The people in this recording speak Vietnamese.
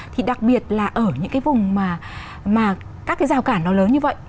thì đặc biệt là ở những cái vùng mà các cái rào cản nó lớn như vậy